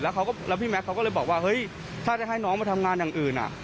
แล้วพี่แม็กซเขาก็เลยบอกว่าเฮ้ยถ้าจะให้น้องมาทำงานอย่างอื่น